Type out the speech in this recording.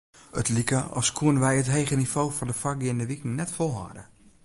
It like as koene wy it hege nivo fan de foargeande wiken net folhâlde.